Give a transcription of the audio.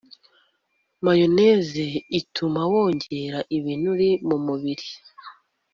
Mayonnaise ituma wongera ibinure mumubiri